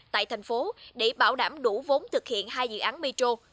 tại thành phố để bảo đảm đủ vốn thực hiện hai dự án metro